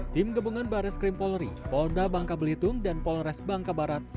tim gabungan bares krim polri polda bangka belitung dan polres bangka barat